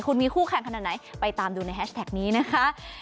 คุณมีคู่แข่งขนาดไหนไปตามดูในแฮชแท็กนี้นะคะ